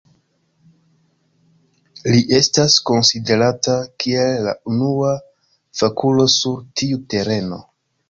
Li estas konsiderata kiel la unua fakulo sur tiu tereno.